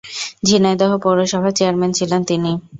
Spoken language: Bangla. ঝিনাইদহ পৌরসভার চেয়ারম্যান ছিলেন তিনি।